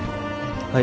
はい。